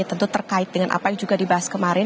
tentu terkait dengan apa yang juga dibahas kemarin